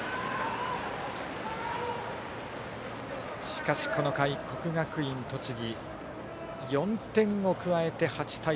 しかしこの回、国学院栃木４点を加えて８対３。